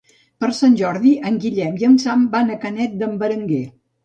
Per Sant Jordi en Guillem i en Sam van a Canet d'en Berenguer.